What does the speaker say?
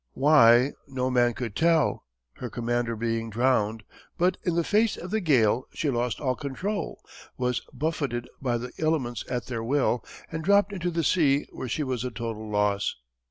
Why no man could tell, her commander being drowned, but in the face of the gale she lost all control, was buffeted by the elements at their will, and dropped into the sea where she was a total loss.